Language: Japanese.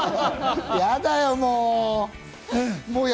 やだよ、もう。